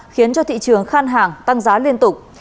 khiến cho thị trường khan hàng tăng giá liên tục